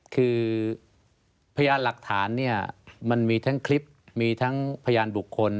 คือพยานหลักฐานเนี่ยมันมีทั้งคลิปมีทั้งพยานบุคคล